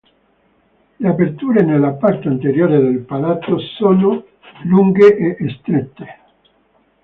Le aperture nella parte anteriore del palato sono lunghe e strette.